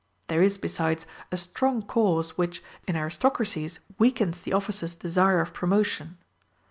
There is, besides, a strong cause, which, in aristocracies, weakens the officer's desire of promotion.